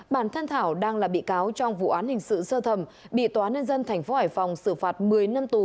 bản thân thảo đang là bị cáo trong vụ án hình sự sơ thẩm bị tòa nhân dân tp hải phòng xử phạt một mươi năm tù